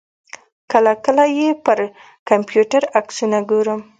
کله کله یې پر کمپیوټر عکسونه ګورم.